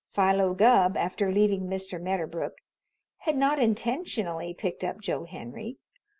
Philo Gubb, after leaving Mr. Medderbrook, had not intentionally picked up Joe Henry.